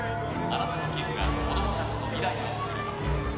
あなたの寄付が子供たちの未来を作ります